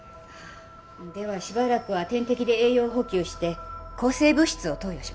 ではしばらくは点滴で栄養補給して抗生物質を投与します。